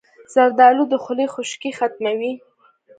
زردالو د خولې خشکي ختموي.